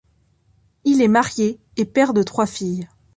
Il est marié et père de trois filles.